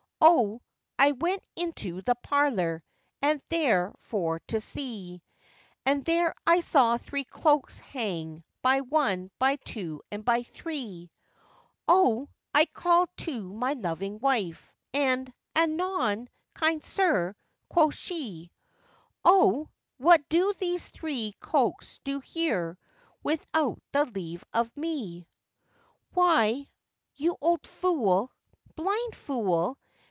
O! I went into the parlour, and there for to see, And there I saw three cloaks hang, by one, by two, and by three; O! I called to my loving wife, and 'Anon, kind sir!' quoth she; 'O! what do these three cloaks do here, without the leave of me?' 'Why, you old fool! blind fool!